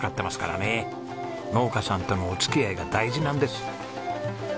農家さんとのお付き合いが大事なんです。